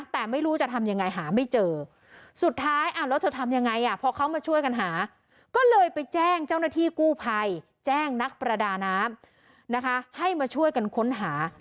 แต่ไม่รู้จะทำยังไงหาไม่เจอสุดท้ายแล้วเธอทำยังไงพอเขามาช่วยกันหาก็เลยไปแจ้งเจ้าหน้าที่กู้ภัยแจ้งนักประดาน้ำนะคะให้มาช่วยกันค้นหา